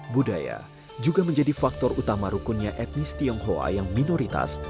budaya juga menjadi faktor utama rukunnya etnis tionghoa yang minoritas